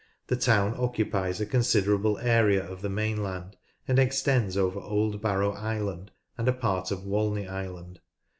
The town occupies a considerable area of the mainland, and extends over Old Barrow Island and part of Walney Island.